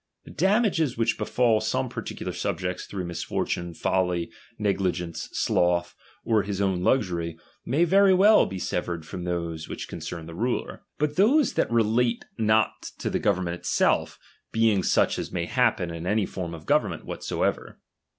The damages which befall some par ticular subjects through misfortune, folly, negli gence, sloth, or his own luxury, may very well be severed from those which concern the ruler. But I those relate not to the government Itself, being such as may happen in any form of government •■ whatsoever.